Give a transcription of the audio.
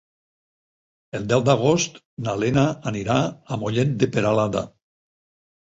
El deu d'agost na Lena anirà a Mollet de Peralada.